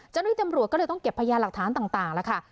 เจ้าหนุ่ยจำรวจก็เลยต้องเก็บพยายามหลักฐานต่างต่างแล้วค่ะ